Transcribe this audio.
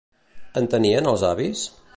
En tenien els avis?